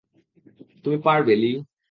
তুমি পারবে, লি!